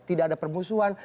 tidak ada permusuhan